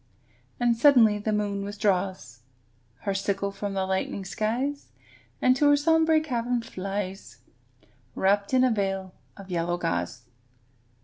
And suddenly the moon withdraws Her sickle from the lightening skies, And to her sombre cavern flies, Wrapped in a veil of yellow gauze.